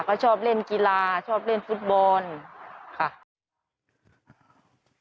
ก็ชอบเล่นกีฬาชอบเล่นฟุตบอลค่ะ